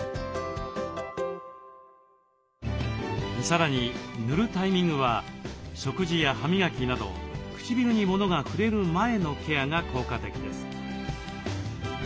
さらに塗るタイミングは食事や歯磨きなど唇にものが触れる前のケアが効果的です。